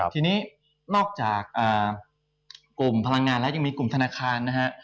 ทีนี้นอกจากกลุ่มพลังงานแล้วยังมีกลุ่มธนาคารนะฮะ